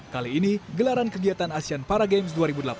kali ini gelaran kegiatan asean para games dua ribu delapan belas